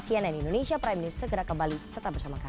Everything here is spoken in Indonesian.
cnn indonesia prime news segera kembali tetap bersama kami